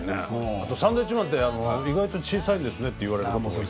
あとサンドウィッチマンって意外と小さいんですねって言われることも多い。